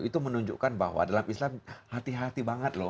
itu menunjukkan bahwa dalam islam hati hati banget loh